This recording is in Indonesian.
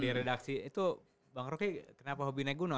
di redaksi itu bang roky kenapa hobi naik gunung